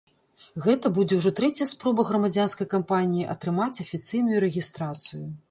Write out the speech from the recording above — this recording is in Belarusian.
Гэта будзе ўжо трэцяя спроба грамадзянскай кампаніі атрымаць афіцыйную рэгістрацыю.